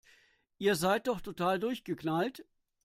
Ihr seid doch total durchgeknallt!